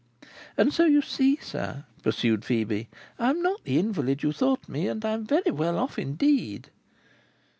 "And so you see, sir," pursued Phœbe, "I am not the invalid you thought me, and I am very well off indeed."